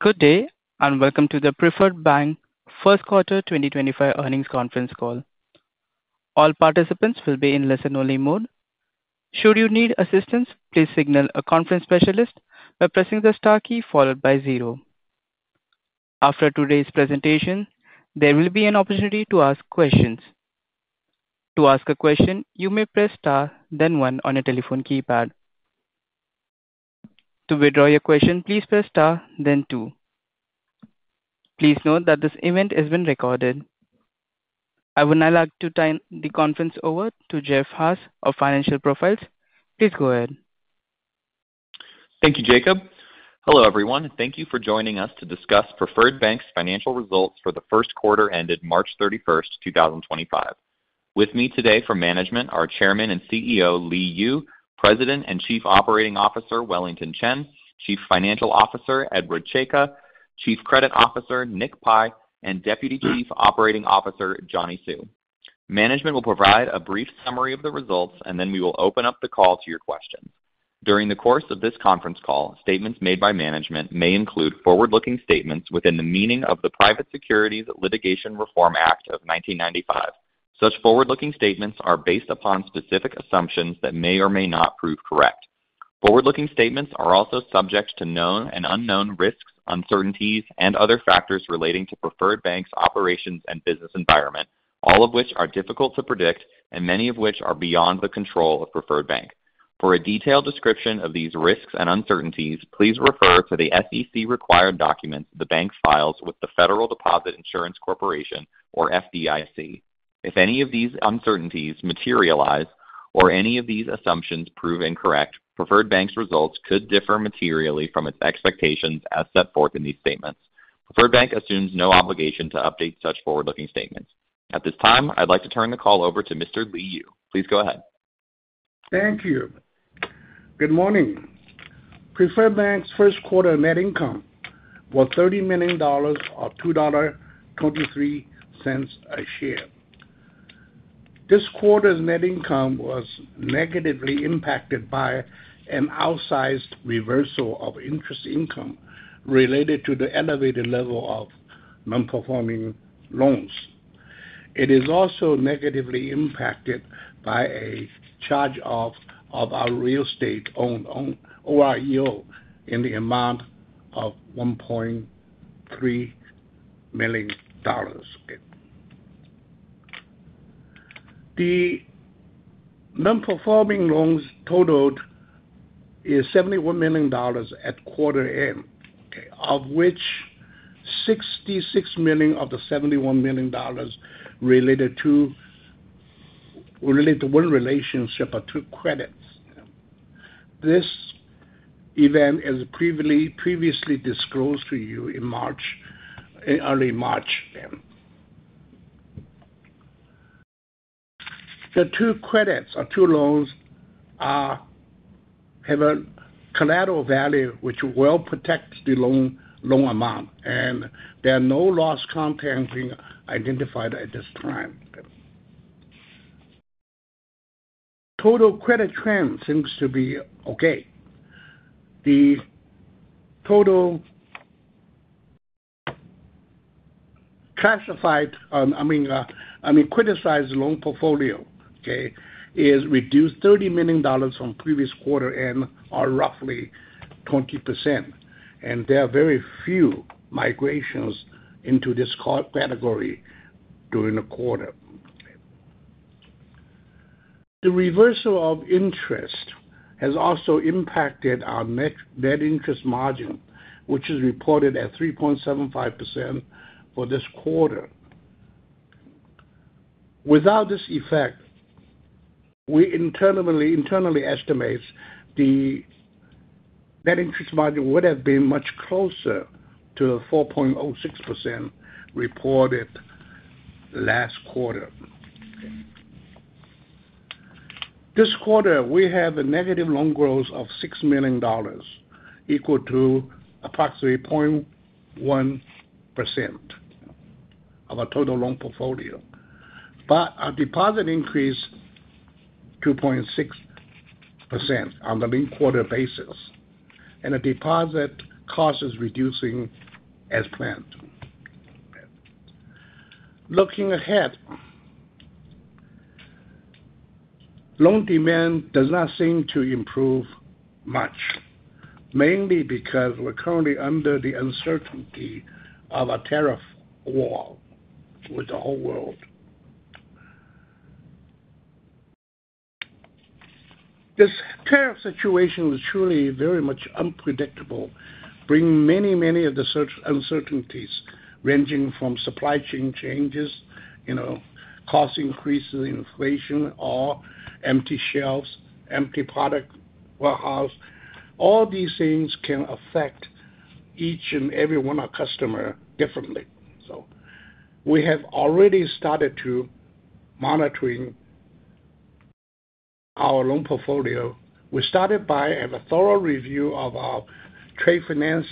Good day, and welcome to the Preferred Bank Q1 2025 Earnings Conference Call. All participants will be in listen-only mode. Should you need assistance, please signal a conference specialist by pressing the star key followed by zero. After today's presentation, there will be an opportunity to ask questions. To ask a question, you may press star, then one on a telephone keypad. To withdraw your question, please press star, then two. Please note that this event is being recorded. I would now like to turn the conference over to Jeff Haas of Financial Profiles. Please go ahead. Thank you, Jacob. Hello, everyone. Thank you for joining us to discuss Preferred Bank's financial results for Q1 ended 31 March 2025. With me today from management are Chairman and CEO Li Yu, President and Chief Operating Officer Wellington Chen, Chief Financial Officer Edward Czajka, Chief Credit Officer Nick Pi, and Deputy Chief Operating Officer Johnny Hsu. Management will provide a brief summary of the results, and then we will open up the call to your questions. During the course of this conference call, statements made by management may include forward-looking statements within the meaning of the Private Securities Litigation Reform Act of 1995. Such forward-looking statements are based upon specific assumptions that may or may not prove correct. Forward-looking statements are also subject to known, and unknown risks, uncertainties, and other factors relating to Preferred Bank's operations, and business environment, all of which are difficult to predict, and many of which are beyond the control of Preferred Bank. For a detailed description of these risks, and uncertainties, please refer to the SEC-required documents the Bank files with the Federal Deposit Insurance Corporation or FDIC. If any of these uncertainties materialize or any of these assumptions prove incorrect, Preferred Bank's results could differ materially from its expectations as set forth in these statements. Preferred Bank assumes no obligation to update such forward-looking statements. At this time, I'd like to turn the call over to Mr. Li Yu. Please go ahead. Thank you. Good morning. Preferred Bank's Q1 net income was $30 million or $2.23 a share. This quarter's net income was negatively impacted by an outsized reversal of interest income related to the elevated level of non-performing loans. It is also negatively impacted by a charge off of our real estate owned OREO in the amount of $1.3 million. The non-performing loans totaled $71 million at quarter end, of which $66 million of the $71 million related to one relationship or two credits. This event is previously disclosed to you in early March. The two credits or two loans have a collateral value which well protects the loan amount, and there are no loss content being identified at this time. Total credit trend seems to be okay. The total classified, I mean, criticized loan portfolio is reduced $30 million from previous quarter end or roughly 20%, and there are very few migrations into this category during the quarter. The reversal of interest has also impacted our net interest margin, which is reported at 3.75% for this quarter. Without this effect, we internally estimate the net interest margin would have been much closer to 4.06% reported last quarter. This quarter, we have a negative loan growth of $6 million, equal to approximately 0.1% of our total loan portfolio, but our deposit increased 2.6% on the linked quarter basis, and the deposit cost is reducing as planned. Looking ahead, loan demand does not seem to improve much, mainly because we're currently under the uncertainty of a tariff war with the whole world. This tariff situation was truly very much unpredictable, bringing many, many of the uncertainties ranging from supply chain changes, cost increases, inflation, or empty shelves, empty product warehouse. All these things can affect each, and every one of our customers differently. We have already started to monitor our loan portfolio. We started by a thorough review of our trade finance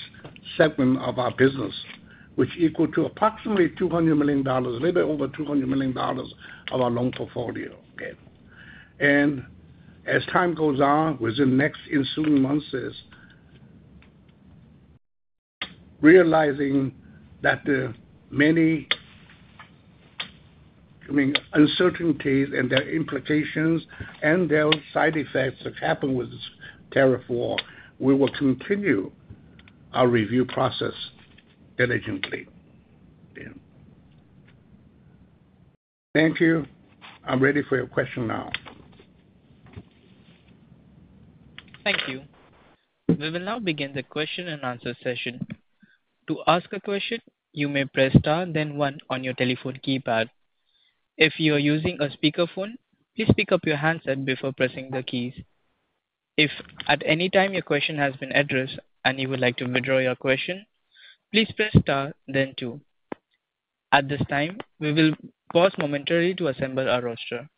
segment of our business, which equaled to approximately $200 million, a little bit over $200 million of our loan portfolio. And as time goes on, within the next ensuing months, realizing that the many, I mean, uncertainties, and their implications, and their side effects that happen with this tariff war, we will continue our review process diligently. Thank you. I'm ready for your question now. Thank you. We will now begin the question and answer session. To ask a question, you may press star, then one on your telephone keypad. If you are using a speakerphone, please pick up your handset before pressing the keys. If at any time your question has been addressed and you would like to withdraw your question, please press star, then two. At this time, we will pause momentarily to assemble our roster.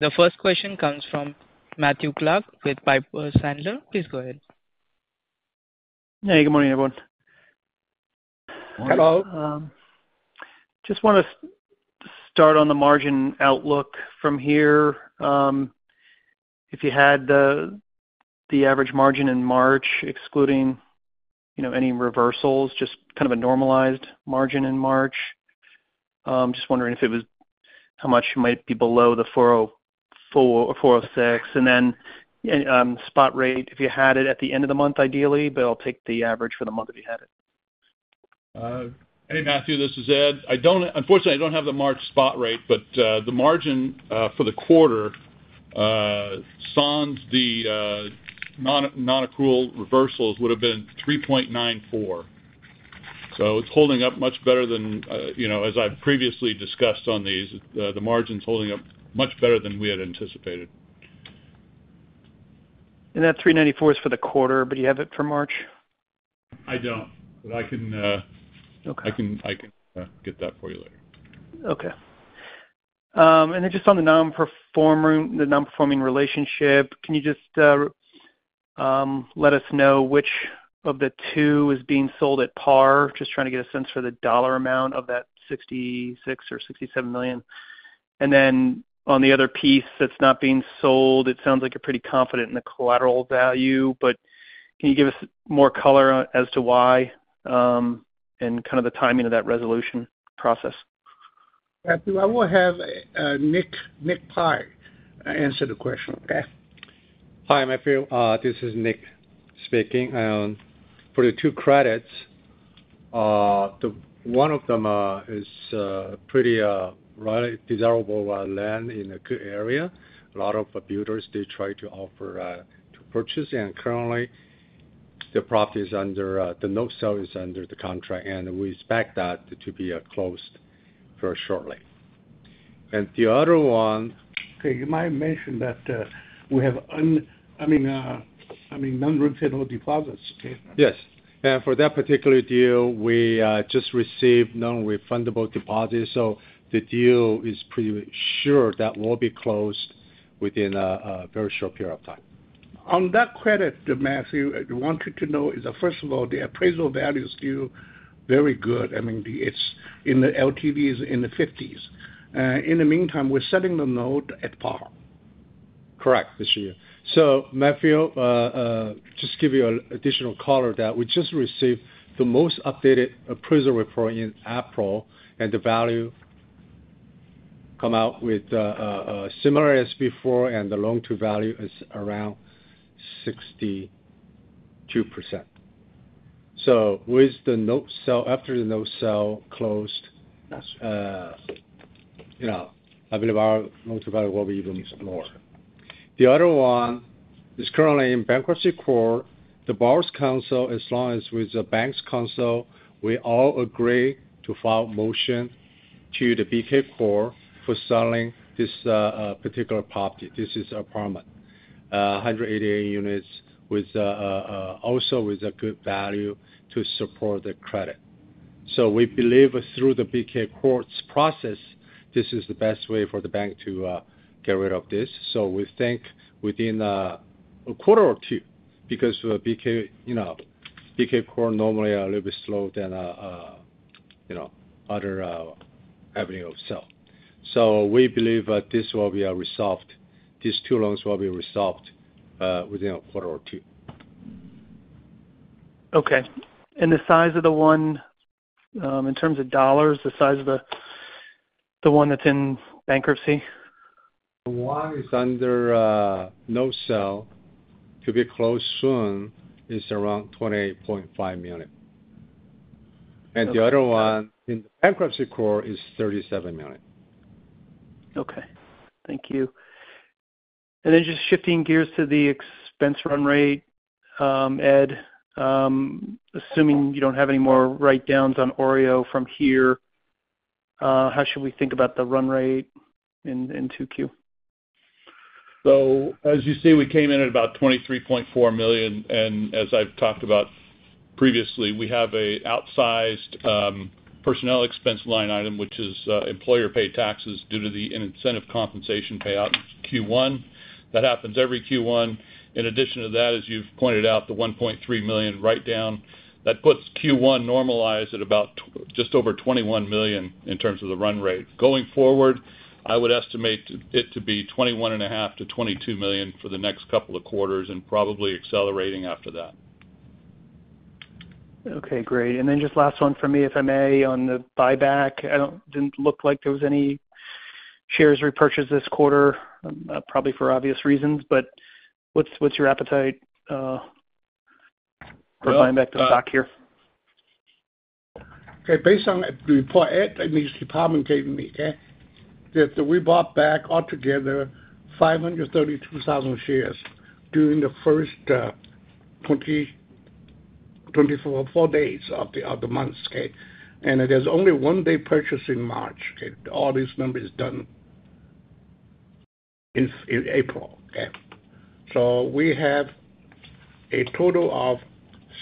The first question comes from Matthew Clark with Piper Sandler. Please go ahead. Hey, good morning, everyone. Hello. Just want to start on the margin outlook from here. If you had the average margin in March, excluding any reversals, just kind of a normalized margin in March, just wondering if it was how much might be below the 406. And then spot rate, if you had it at the end of the month, ideally, but I'll take the average for the month if you had it. Hey, Matthew, this is Ed. Unfortunately, I don't have the March spot rate, but the margin for the quarter, sans the nonaccrual reversals, would have been 3.94. It's holding up much better than, as I've previously discussed on these, the margin's holding up much better than we had anticipated. That 3.94 is for the quarter, but do you have it for March? I don't, but I can get that for you later. Okay. Just on the non-performing relationship, can you just let us know which of the two is being sold at par? Just trying to get a sense for the dollar amount of that $66 million or $67 million. On the other piece that's not being sold, it sounds like you're pretty confident in the collateral value, but can you give us more color as to why, and kind of the timing of that resolution process? Matthew, I will have Nick Pi answer the question, okay? Hi, Matthew. This is Nick speaking. For the two credits, one of them is pretty desirable land in a good area. A lot of builders, they try to offer to purchase, and currently, the property is under the note sale is under the contract, and we expect that to be closed very shortly. The other one. Okay. You might mention that we have, I mean, non-refundable deposits. Yes. For that particular deal, we just received non-refundable deposits. The deal is pretty sure that will be closed within a very short period of time. On that credit, Matthew, I wanted to know, first of all, the appraisal value is still very good. I mean, it's in the LTV is in the 50s. In the meantime, we're setting the note at par. Correct. This year. Matthew, just to give you additional color, we just received the most updated appraisal report in April, and the value came out similar as before, and the loan-to-value is around 62%. With the note sale, after the note sale closed, I believe our loan-to-value will be even more. The other one is currently in bankruptcy court. The borrower's counsel, along with the bank's counsel, we all agree to file a motion to the BK Court for selling this particular property. This is an apartment, 188 units, also with a good value to support the credit. We believe through the BK Court's process, this is the best way for the bank to get rid of this. We think within a quarter or two, because BK Court normally is a little bit slower than other avenues of sale. We believe this will be resolved. These two loans will be resolved within a quarter or two. Okay. The size of the one, in terms of dollars, the size of the one that's in bankruptcy? The one is under note sale to be closed soon is around $28.5 million. The other one in the bankruptcy court is $37 million. Okay. Thank you. Just shifting gears to the expense run rate, Ed, assuming you do not have any more write-downs on OREO from here, how should we think about the run rate in Q2? As you see, we came in at about $23.4 million. As I've talked about previously, we have an outsized personnel expense line item, which is employer-paid taxes due to the incentive compensation payout in Q1. That happens every Q1. In addition to that, as you've pointed out, the $1.3 million write-down, that puts Q1 normalized at about just over $21 million in terms of the run rate. Going forward, I would estimate it to be $21.5 to 22 million for the next couple of quarters, and probably accelerating after that. Okay. Great. Just last one for me, if I may, on the buyback. It didn't look like there was any shares repurchased this quarter, probably for obvious reasons, but what's your appetite for buying back the stock here? Okay. Based on the report, Ed, I mean, this department gave me, okay, that we bought back altogether 532,000 shares during the first 24 days of the month, okay? There's only one day purchase in March, okay? All this number is done in April, okay? So we have a total of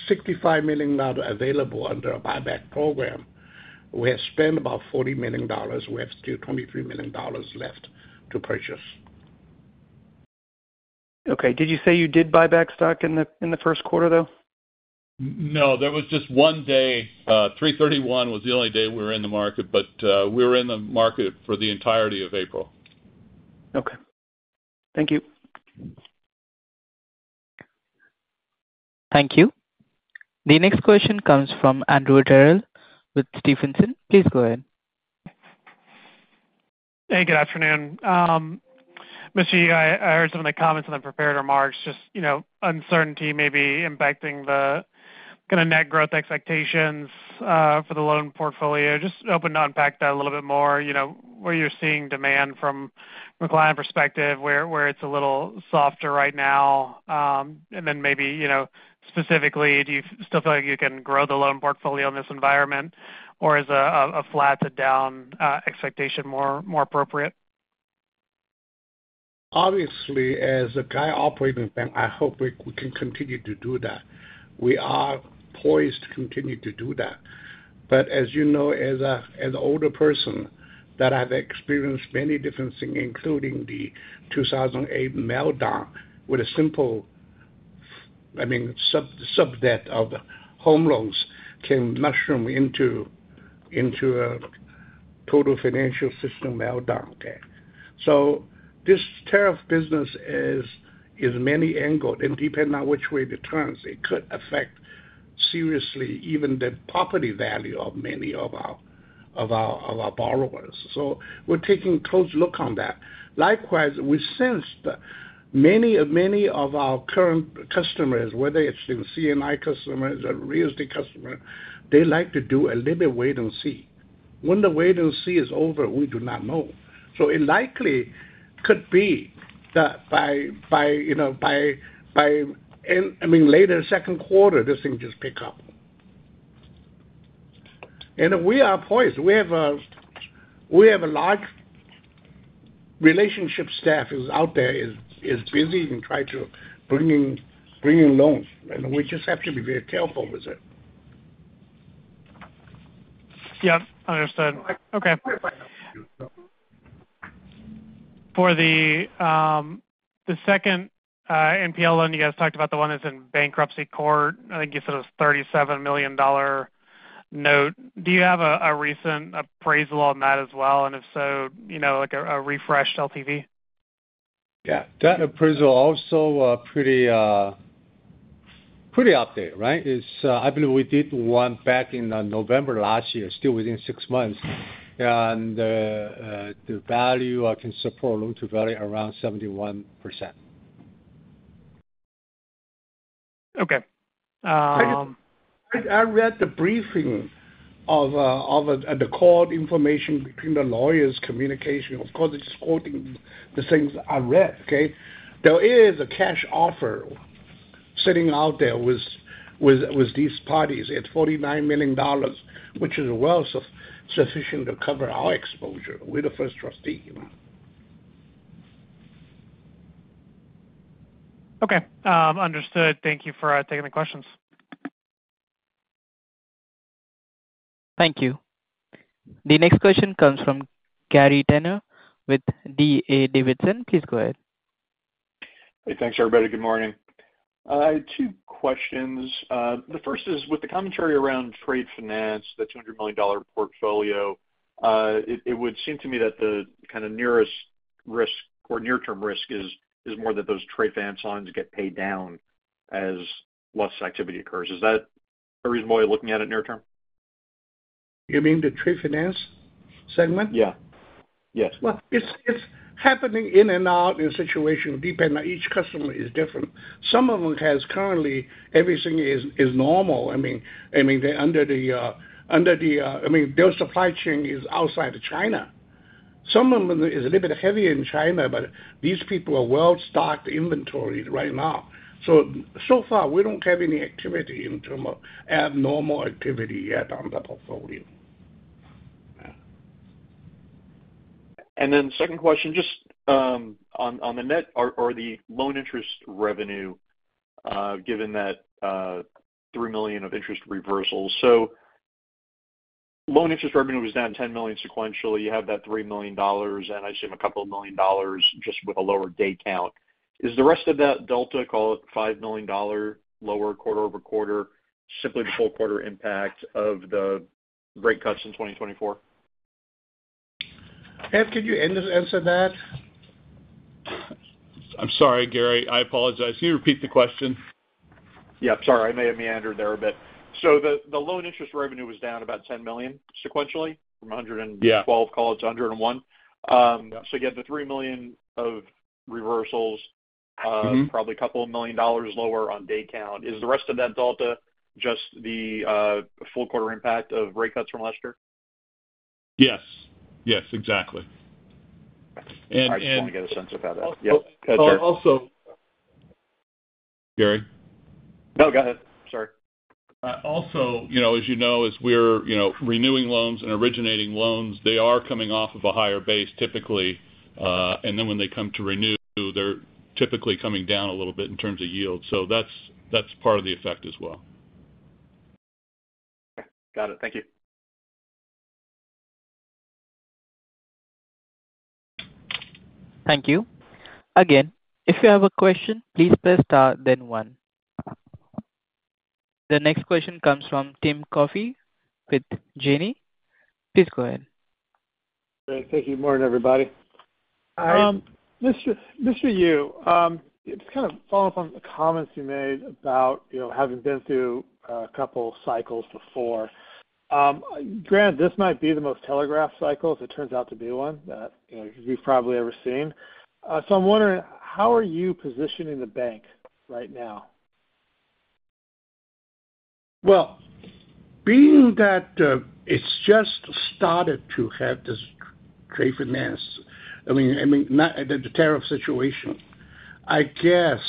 $65 million available under a buyback program. We have spent about $40 million. We have still $23 million left to purchase. Okay. Did you say you did buy back stock in Q1, though? No. There was just one day. 31 March was the only day we were in the market, but we were in the market for the entirety of April. Okay. Thank you. Thank you. The next question comes from Andrew Terrell with Stephens. Please go ahead. Hey, good afternoon. Mr. Yu, I heard some of the comments in the prepared remarks, just uncertainty maybe impacting the kind of net growth expectations for the loan portfolio. Just open to unpack that a little bit more, where you're seeing demand from a client perspective, where it's a little softer right now, and then maybe specifically, do you still feel like you can grow the loan portfolio in this environment, or is a flat to down expectation more appropriate? Obviously, as a guy operating bank, I hope we can continue to do that. We are poised to continue to do that. As you know, as an older person that I've experienced many different things, including the 2008 meltdown, where the simple, I mean, sub-debt of home loans can mushroom into a total financial system meltdown, okay? This tariff business is many angled, and depending on which way it turns, it could affect seriously even the property value of many of our borrowers. We are taking a close look on that. Likewise, we sense that many of our current customers, whether it's C&I customers or real estate customers, they like to do a little bit wait and see. When the wait and see is over, we do not know. It likely could be that by, I mean, later in Q2, this thing just pick up. We are poised. We have a large relationship staff who is out there, is busy, and trying to bring in loans. We just have to be very careful with it. Yep. Understood. Okay. For the second NPL loan, you guys talked about the one that's in bankruptcy court. I think you said it was a $37 million note. Do you have a recent appraisal on that as well? And if so, a refreshed LTV? Yeah. That appraisal also pretty up to date, right? I believe we did one back in November last year, still within six months. And the value can support loan-to-value around 71%. Okay. I read the briefing of the call information between the lawyers' communication. Of course, it's quoting the things I read, okay? There is a cash offer sitting out there with these parties at $49 million, which is well sufficient to cover our exposure. We're the first trustee. Okay. Understood. Thank you for taking the questions. Thank you. The next question comes from Gary Tenner with D.A. Davidson. Please go ahead. Hey, thanks, everybody. Good morning. Two questions. The first is with the commentary around trade finance, the $200 million portfolio, it would seem to me that the kind of nearest risk or near-term risk is more that those trade finance lines get paid down as less activity occurs. Is that a reason why you're looking at it near-term? You mean the trade finance segment? Yeah. Yes. It's happening in, and out in situation depending on each customer is different. Some of them has currently everything is normal. I mean, they're under the, I mean, their supply chain is outside of China. Some of them is a little bit heavy in China, but these people are well-stocked inventory right now. So far, we don't have any activity in terms of abnormal activity yet on the portfolio. Second question, just on the net or the loan interest revenue, given that $3 million of interest reversals. So loan interest revenue was down $10 million sequentially. You have that $3 million and I assume a couple of million dollars just with a lower day count. Is the rest of that delta, call it $5 million lower quarter over quarter, simply the full quarter impact of the rate cuts in 2024? Ed, can you answer that? I'm sorry, Gary. I apologize. Can you repeat the question? Yeah. Sorry. I may have meandered there a bit. The loan interest revenue was down about $10 million sequentially from $112, call it $101. You had the $3 million of reversals, probably a couple of million dollars lower on day count. Is the rest of that delta just the full quarter impact of rate cuts from last year? Yes. Yes. Exactly. I just want to get a sense of how that. Yeah. Gary? No, go ahead. Sorry. Also, as you know, as we're renewing loans, and originating loans, they are coming off of a higher base typically. When they come to renew, they're typically coming down a little bit in terms of yield. That's part of the effect as well. Okay. Got it. Thank you. Thank you. Again, if you have a question, please press star, then one. The next question comes from Tim Coffey with Janney. Please go ahead. Thank you. Morning, everybody. Hi. Mr. Yu, just kind of following up on the comments you made about having been through a couple of cycles before. Grant, this might be the most telegraphed cycle, as it turns out to be one that you've probably ever seen. I am wondering, how are you positioning the bank right now? Being that it's just started to have this trade finance, I mean, the tariff situation, I guess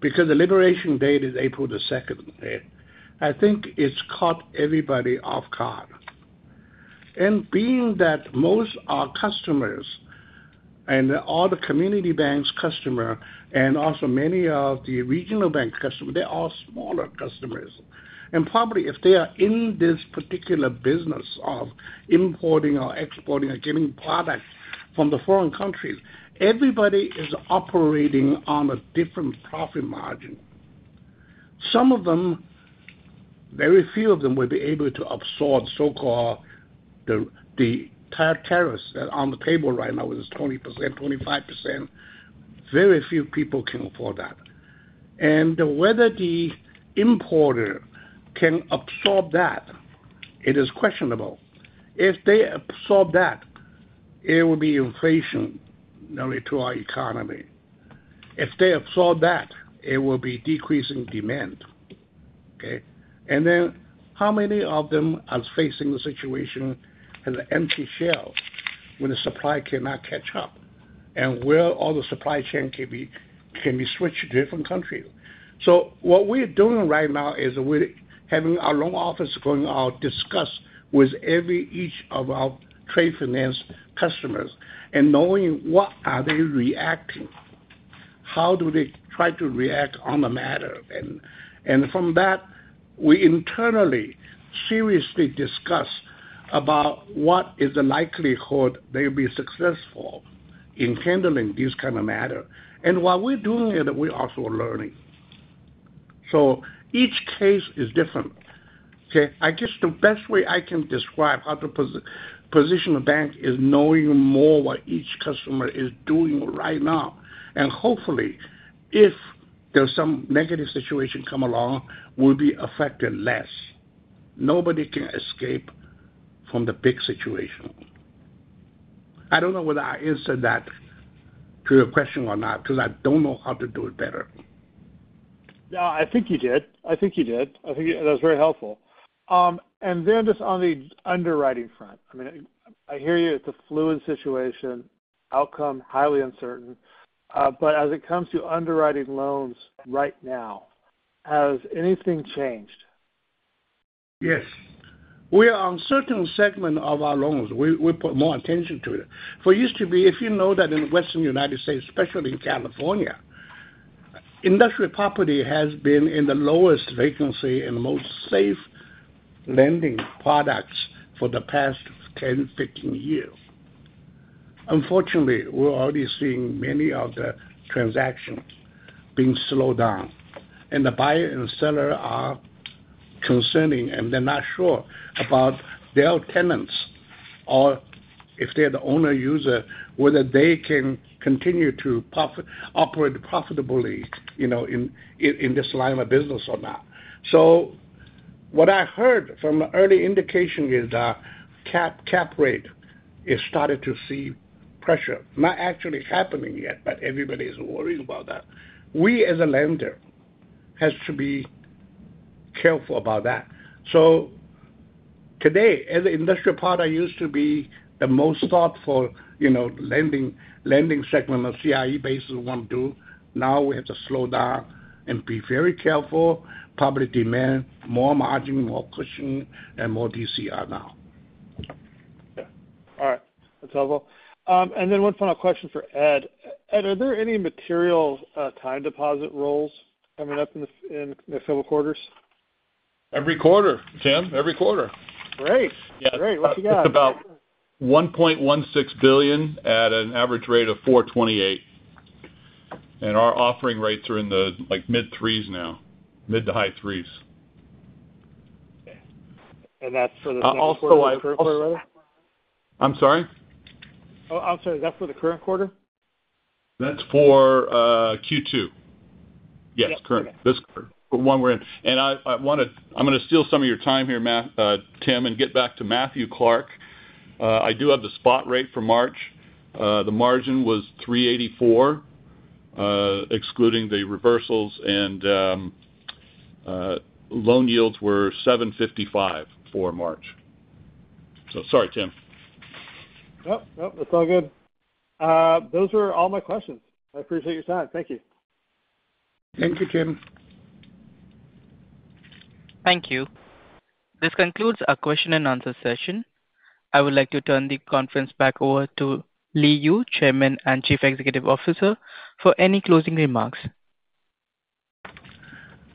because the liberation date is 2 April, I think it's caught everybody off guard. Being that most of our customers, and all the community bank's customers, and also many of the regional bank customers, they are smaller customers. Probably if they are in this particular business of importing or exporting or getting product from the foreign countries, everybody is operating on a different profit margin. Some of them, very few of them will be able to absorb so-called the tariffs that are on the table right now, which is 20%, 25%. Very few people can afford that. Whether the importer can absorb that, it is questionable. If they absorb that, it will be inflationary to our economy. If they absorb that, it will be decreasing demand, okay? How many of them are facing the situation, and the empty shelf when the supply cannot catch up? Where all the supply chain can be switched to different countries? What we're doing right now is we're having our loan office going out, discuss with each of our trade finance customers, and knowing what are they reacting, how do they try to react on the matter. From that, we internally seriously discuss about what is the likelihood they will be successful in handling this kind of matter. While we're doing it, we're also learning. Each case is different, okay? I guess the best way I can describe how to position a bank is knowing more what each customer is doing right now. Hopefully, if there's some negative situation come along, we'll be affected less. Nobody can escape from the big situation. I don't know whether I answered that to your question or not because I don't know how to do it better. No, I think you did. I think you did. I think that was very helpful. I mean, I hear you. It's a fluid situation, outcome highly uncertain. As it comes to underwriting loans right now, has anything changed? Yes. We are on certain segment of our loans. We put more attention to it. For used to be, if you know that in the Western United States, especially in California, industrial property has been in the lowest vacancy, and most safe lending products for the past 10 to 15 years. Unfortunately, we're already seeing many of the transactions being slowed down. The buyer, and seller are concerning, and they're not sure about their tenants or if they're the owner user, whether they can continue to operate profitably in this line of business or not. What I heard from the early indication is that cap rate is starting to see pressure. Not actually happening yet, but everybody is worried about that. We as a lender have to be careful about that. Today, as an industrial part, I used to be the most thoughtful lending segment on CRE basis want to do. Now we have to slow down, and be very careful, probably demand more margin, more cushion, and more DCR now. All right. That's helpful. One final question for Ed. Ed, are there any material time deposit rolls coming up in the several quarters? Every quarter, Tim. Every quarter. Great. Great. What you got? It's about $1.16 billion at an average rate of 4.28%. Our offering rates are in the mid 3% now, mid to high 3%. Is that for the current quarter? I'm sorry? Oh, I'm sorry. Is that for the current quarter? That's for Q2. Yes, this quarter. Okay. Good. The one we're in. I'm going to steal some of your time here, Tim, and get back to Matthew Clark. I do have the spot rate for March. The margin was 3.84, excluding the reversals. And loan yields were 7.55 for March. Sorry, Tim. Nope. Nope. That's all good. Those were all my questions. I appreciate your time. Thank you. Thank you, Tim. Thank you. This concludes our question and answer session. I would like to turn the conference back over to Li Yu, Chairman and Chief Executive Officer, for any closing remarks.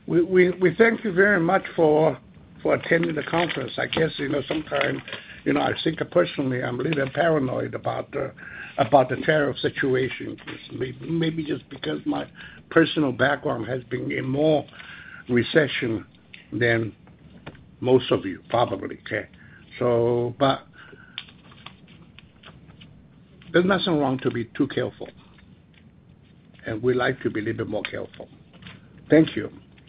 We thank you very much for attending the conference. I guess sometimes I think personally I'm a little bit paranoid about the tariff situation. Maybe just because my personal background has been in more recession than most of you probably can. There is nothing wrong to be too careful. We like to be a little bit more careful. Thank you.